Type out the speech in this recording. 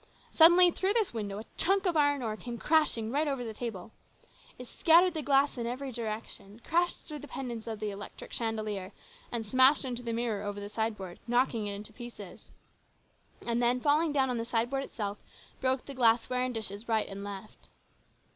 Suddenly through this window a chunk of iron ore came crashing right over the table. It scattered the glass in every direction, crashed through the pendants 138 HIS BROTHER'S KEEPER. of the electric chandelier, and smashed into the mirror over the sideboard, knocking it into splinters ; and then, falling down on the sideboard itself, broke the glass ware and dishes right and left.